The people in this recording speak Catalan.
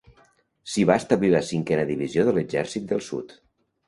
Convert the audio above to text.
S'hi va establir la cinquena divisió de l'exèrcit del sud.